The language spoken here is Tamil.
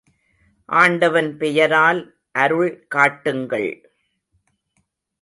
ஆண்டவன் பெயரால் அருள் காட்டுங்கள்!